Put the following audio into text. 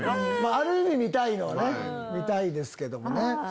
ある意味見たいのは見たいですけどね。